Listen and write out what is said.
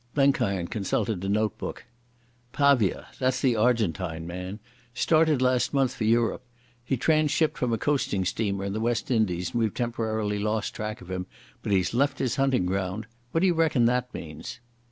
Blenkiron consulted a notebook. "Pavia—that's the Argentine man—started last month for Europe. He transhipped from a coasting steamer in the West Indies and we've temporarily lost track of him, but he's left his hunting ground. What do you reckon that means?"